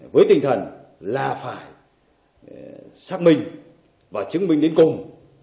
với tinh thần là phải xác minh và chứng minh đến cùng